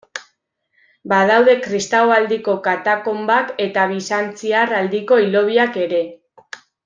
Badaude kristau aldiko katakonbak eta bizantziar aldiko hilobiak ere.